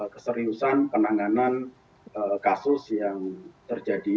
keseriusan penanganan kasus yang terjadi